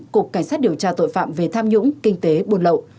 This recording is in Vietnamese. cục cảnh sát điều tra tội phạm về tham nhũng kinh tế buôn lậu